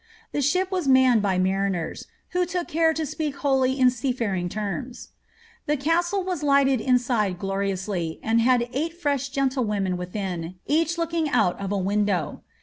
The ship was manned by mariners, ^ who took care to speak wholly in seafearing terms." The castle was lighted inside gloriously, and "had eight freA* gentlewomen within, each looking out of a widow.